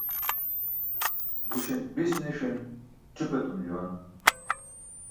Buśe bis niṣin ćʰup etum juwan.